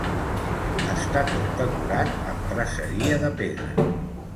Està tot decorat amb traceria de pedra.